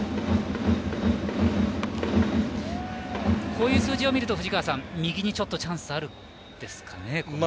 こういう数字を見ると右にチャンスがあるんですかね。